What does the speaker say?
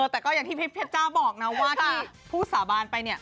แต่ก็อย่างที่พี่เพชรจ้าบอกนะว่าที่ผู้สาบานไปเนี่ย